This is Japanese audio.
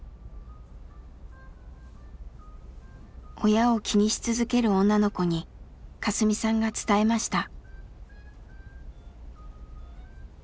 親を気にし続ける女の子にカスミさんが伝えました。